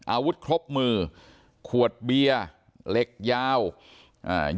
อาวุธครบมือขวดเบียร์เหล็กยาวอ่า